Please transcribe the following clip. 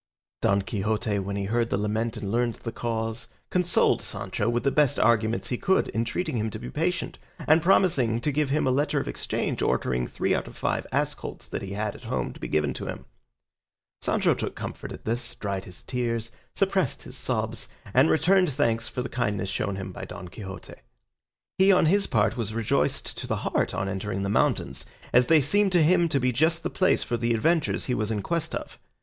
Don Quixote, when he heard the lament and learned the cause, consoled Sancho with the best arguments he could, entreating him to be patient, and promising to give him a letter of exchange ordering three out of five ass colts that he had at home to be given to him. Sancho took comfort at this, dried his tears, suppressed his sobs, and returned thanks for the kindness shown him by Don Quixote. He on his part was rejoiced to the heart on entering the mountains, as they seemed to him to be just the place for the adventures he was in quest of.